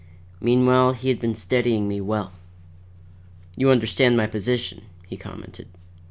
Meanwhile he had been studying me well. "You understand my position," he commented.